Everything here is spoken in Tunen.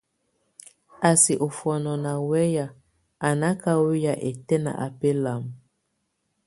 A sɛk ofɔnɔɔ ná weya, a náka weya ɛtɛ́n á belam.